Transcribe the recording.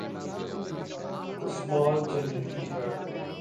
عثمان جنتی ہیں